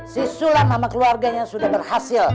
sisulan nama keluarganya sudah berhasil